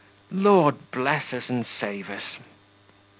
Lord bless us and save us!...